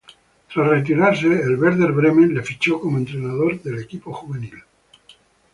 Tras retirarse, el Werder Bremen le fichó como entrenador del equipo juvenil.